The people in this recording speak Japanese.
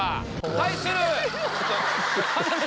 対する。